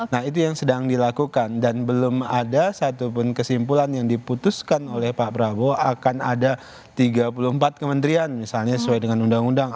nah itu yang sedang dilakukan dan belum ada satupun kesimpulan yang diputuskan oleh pak prabowo akan ada tiga puluh empat kementerian misalnya sesuai dengan undang undang